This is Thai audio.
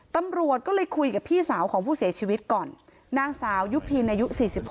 ตำรวจก็เลยคุยกับพี่สาวของผู้เสียชีวิตก่อนนางสาวยุพินอายุ๔๒